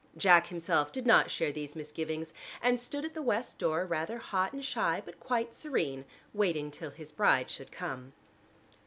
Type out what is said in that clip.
Jack himself did not share these misgivings and stood at the west door rather hot and shy but quite serene, waiting till his bride should come.